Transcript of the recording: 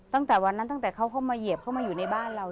ตั้งแต่วันนั้นตั้งแต่เขาเข้ามาเหยียบเข้ามาอยู่ในบ้านเรา